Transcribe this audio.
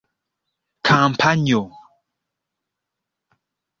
kampanjo